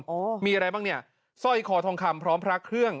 มีอะไรบ้างเนี่ยสร้อยคอทองคำพร้อมพระเครื่อง